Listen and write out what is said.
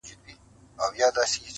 سپی ناجوړه سو او مړ سو ناګهانه.